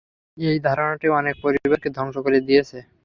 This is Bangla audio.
এই ধারণাটি অনেক পরিবারকে, ধ্বংস করে দিয়েছে।